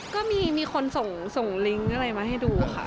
ก็มีคนส่งลิงก์อะไรมาให้ดูค่ะ